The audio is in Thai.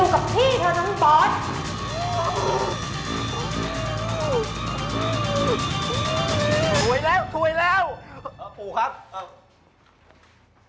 จัดเต็มให้เลย